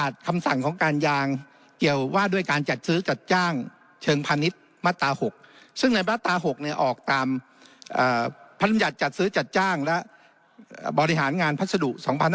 ซึ่งในบรรตา๖เนี่ยออกตามพฤมยาจจัดซื้อจัดจ้างและบริหารงานพัฒนธุ๒๕๖๐